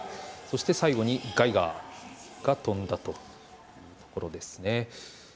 そして最後にガイガーが飛んだところですね。